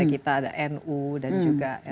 kita ada nu dan juga nu